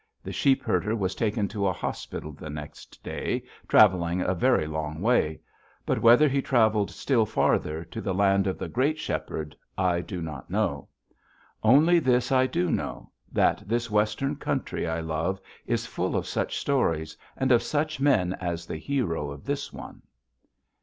The sheep herder was taken to a hospital the next day, traveling a very long way. But whether he traveled still farther, to the land of the Great Shepherd, I do not know. Only this I do know: that this Western country I love is full of such stories, and of such men as the hero of this one.